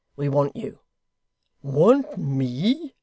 We want you.' 'Want me!